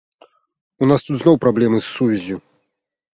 У нас тут зноў праблемы з сувяззю.